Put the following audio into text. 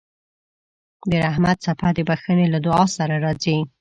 د رحمت څپه د بښنې له دعا سره راځي.